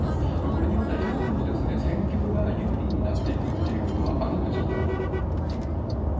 これによって東部の戦況が有利になっていくということはあるんでしょうか？